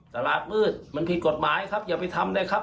ตลาดมืดมันผิดกฎหมายครับอย่าไปทำเลยครับ